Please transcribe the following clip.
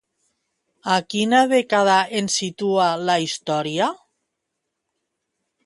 A quina dècada ens situa la història?